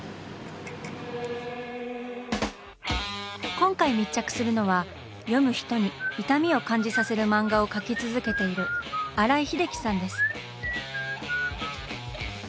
今回密着するのは読む人に「痛み」を感じさせる漫画を描き続けている新井英樹さんです。